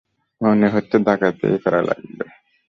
মনে হচ্ছে, ডাকাতিই করা লাগবে।